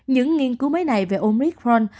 những nghiên cứu mới này về omicron